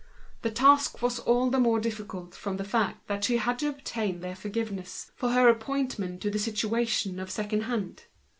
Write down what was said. The task was all the more difficult from the fact that she had to obtain their pardon for her appointment to the situation of second hand.